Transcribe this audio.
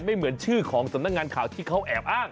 ไม่เหมือนชื่อของสำนักงานข่าวที่เขาแอบอ้าง